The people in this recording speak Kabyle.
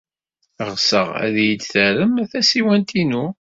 Ɣseɣ ad iyi-d-terrem tasiwant-inu.